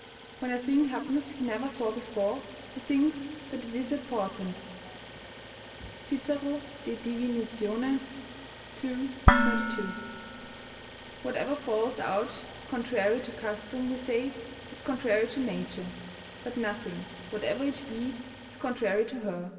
When a thing happens he never saw before, he thinks that it is a portent." Cicero, De Divin., ii. 22.] Whatever falls out contrary to custom we say is contrary to nature, but nothing, whatever it be, is contrary to her.